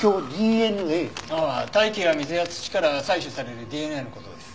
大気や水や土から採取されるＤＮＡの事です。